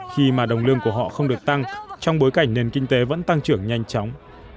khi mà đồng lương của họ không được tăng trong bối cảnh nền kinh tế vẫn tăng trưởng nhanh chóng